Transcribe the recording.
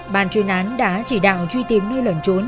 bàn chuyên án đã chỉ đạo truy tìm nơi lẩn trốn